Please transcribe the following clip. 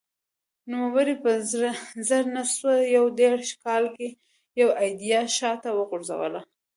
نوموړي په زر نه سوه یو دېرش کال کې یوه ایډیا شا ته وغورځوله